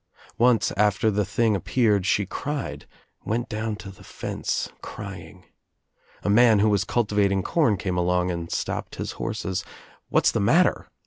Once after the thing appeared she cried, went down to the fence crying, A man who was cultivating corn came along and stopped his horses. "What's the matter?"